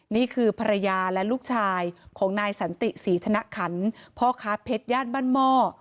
นี่คือภรรยาและลูกชายของนายสันติศรีธนขันพ่อค้าเพชรย่านบ้านหม้อ